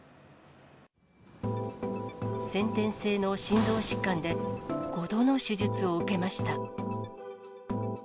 先天性の心臓疾患で、５度の手術を受けました。